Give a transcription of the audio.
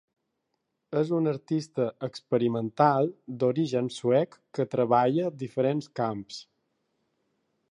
És un artista experimental d'origen suec que treballa diferents camps.